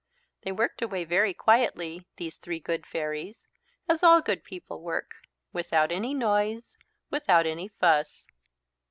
They worked away very quietly, these three good fairies, as all good people work, without any noise, without any fuss.